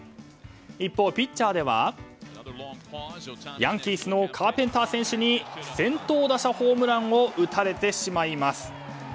一方、ピッチャーではヤンキースのカーペンター選手に先頭打者ホームランを打たれてしまいます。